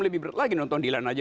lebih berat lagi nonton dilan aja